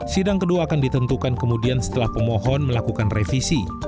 sidang kedua akan ditentukan kemudian setelah pemohon melakukan revisi